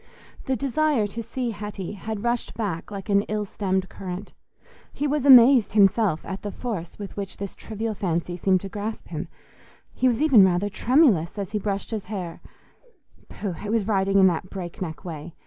The desire to see Hetty had rushed back like an ill stemmed current; he was amazed himself at the force with which this trivial fancy seemed to grasp him: he was even rather tremulous as he brushed his hair—pooh! it was riding in that break neck way.